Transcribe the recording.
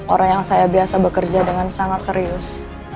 orang yang saya biasa bekerja dengan sangat serius